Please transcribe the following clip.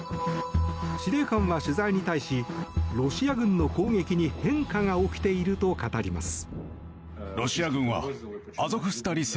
司令官は取材に対しロシア軍の攻撃に変化が起きていると語ります。